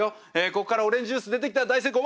ここからオレンジジュース出てきたら大成功。